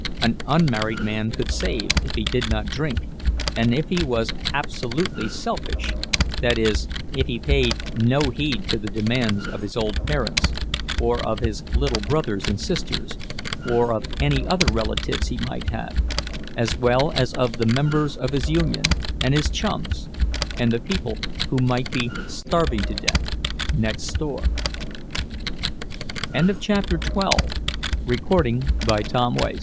An unmarried man could save, if he did not drink, and if he was absolutely selfish—that is, if he paid no heed to the demands of his old parents, or of his little brothers and sisters, or of any other relatives he might have, as well as of the members of his union, and his chums, and the people who might be starving to death next door. CHAPTER XIII During this time that Jurgis